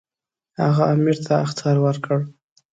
هغه امیر ته اخطار ورکړ.